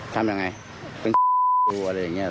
ทำยังไงเป็นอะไรอย่างเงี้ยหรอ